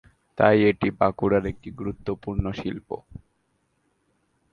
তাই এটি বাঁকুড়ার একটি গুরুত্বপূর্ণ শিল্প।